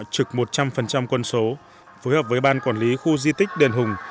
trực một trăm linh quân số phối hợp với ban quản lý khu di tích đền hùng